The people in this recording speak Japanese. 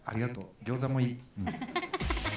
ギョーザもいい。